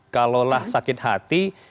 kalau lah sakit hati